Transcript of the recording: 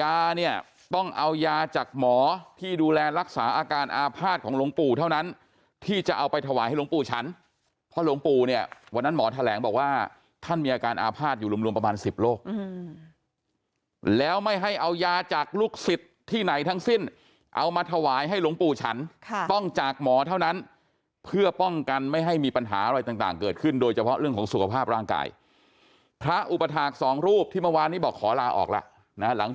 ยาเนี่ยต้องเอายาจากหมอที่ดูแลรักษาอาการอาภาษณ์ของหลวงปู่เท่านั้นที่จะเอาไปถวายหลวงปู่ฉันเพราะหลวงปู่เนี่ยวันนั้นหมอแถลงบอกว่าท่านมีอาการอาภาษณ์อยู่รวมประมาณ๑๐โรคแล้วไม่ให้เอายาจากลูกศิษย์ที่ไหนทั้งสิ้นเอามาถวายให้หลวงปู่ฉันต้องจากหมอเท่านั้นเพื่อป้องกันไม่ให้มีปัญหาอะไรต่าง